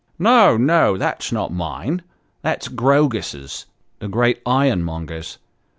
" No, no, that's not mine ; that's Grogus's, the great ironmonger's.